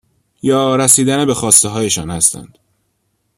یا رسیدن به خواسته هایشان هستند.